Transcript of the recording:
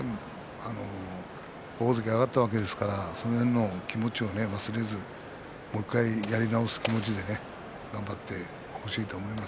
大関に上がったわけですからその辺の気持ちを忘れずにもう１回やり直す気持ちで頑張ってほしいと思います。